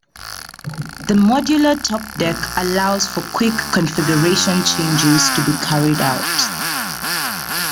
The modular top deck allows for quick configuration changes to be carried out.